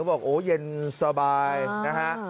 บอกโอ้เย็นสบายนะฮะ